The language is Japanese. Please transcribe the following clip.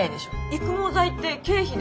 育毛剤って経費で。